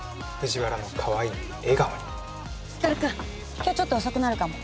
今日ちょっと遅くなるかも。